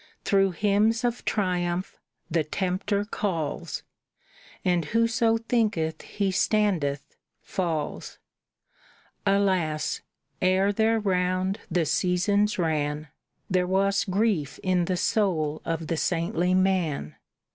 Through hymns of triumph the tempter calls, And whoso thinketh he standeth falls. Alas! ere their round the seasons ran, There was grief in the soul of the saintly man.